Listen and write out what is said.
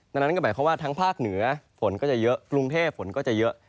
ดังนั้นก็หมายความว่าทั้งภาคเหนือฝนก็จะเยอะกรุงเทพฝนก็จะเยอะ